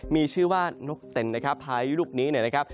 มีชื่อว่านกเต็นพายุลูกนี้นะครับ